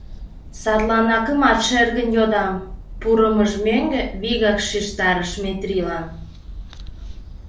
Садлан акымат шергын йодам, — пурымыж мӧҥгӧ вигак шижтарыш Метрийлан.